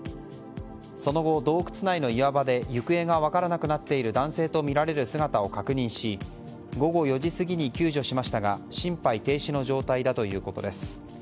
その後、洞窟内の岩場で行方が分からなくなっている男性とみられる姿を確認し午後４時過ぎに救助しましたが心肺停止の状態だということです。